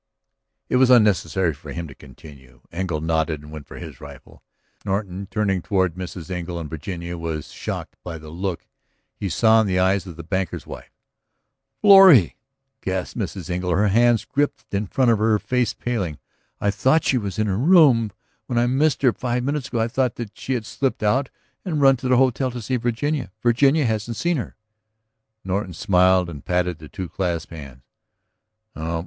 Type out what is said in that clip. It was unnecessary for him to continue. Engle nodded and went for his rifle. Norton, turning toward Mrs. Engle and Virginia, was shocked by the look he saw in the eyes of the banker's wife. "Florrie!" gasped Mrs. Engle, her hands gripped in front of her, her face paling. "I thought she was in her room; when I missed her five minutes ago I thought that she had slipped out and run up to the hotel to see Virginia. Virginia hasn't seen her." Norton smiled and patted the two clasped hands.